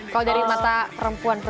kalau dari mata perempuan